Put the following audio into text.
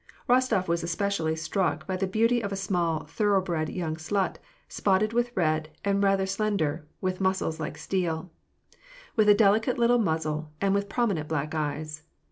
Bostof was especially struck by the beauty of a small thorough bred young slut, spotted with red, and rather slen der; with muscles like steel; with a delicate little muzzle, and with prominent black eyes.